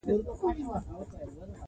دریابونه د افغان کلتور سره تړاو لري.